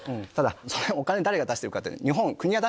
そのお金誰が出してるかって。